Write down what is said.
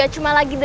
ya udah sampe